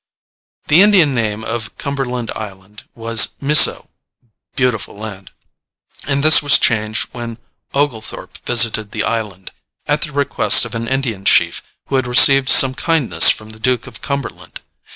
The Indian name of Cumberland Island was Missoe ("beautiful land"), and this was changed when Oglethorpe visited the island, at the request of an Indian chief who had received some kindness from the duke of Cumberland.